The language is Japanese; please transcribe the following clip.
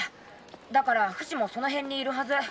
だからフシもその辺にいるはず。